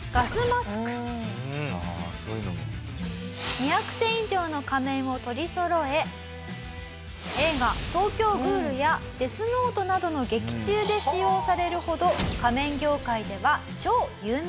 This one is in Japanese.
２００点以上の仮面を取りそろえ映画『東京喰種』や『ＤＥＡＴＨＮＯＴＥ』などの劇中で使用されるほど仮面業界では超有名。